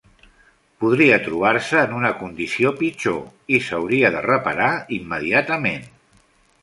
Podria trobar-se en una condició pitjor... i s'hauria de reparar immediatament.